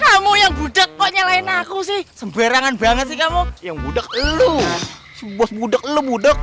kamu yang budak kok nyalain aku sih semberangan banget sih kamu yang budak lo bos budak lo budak